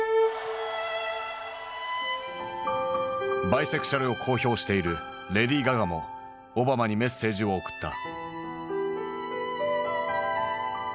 バイセクシャルを公表しているレディー・ガガもオバマにメッセージを送った。